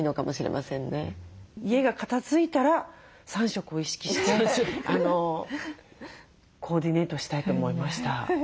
家が片づいたら３色を意識してコーディネートしたいと思いました。